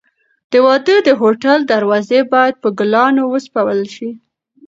د واده د هوټل دروازې باید په ګلانو وپسولل شي.